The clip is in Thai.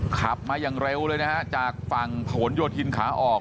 ขับมาอย่างเร็วเลยนะฮะจากฝั่งผนโยธินขาออก